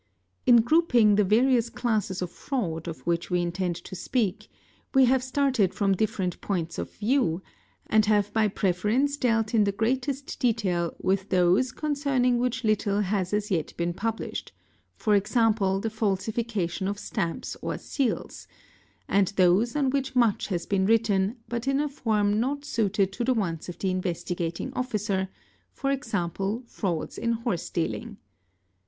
In grouping the 'yarious classes of fraud of which we intend to speak, we have started from different points of view and have by preference dealt in the greatest detail with those concerning which little has as yet been published, c.., the falsification of stamps or seals, and those on which much has been |) written but in a form not suited to the wants of the Investigating Officer, ¢.g., frauds in horse dealing.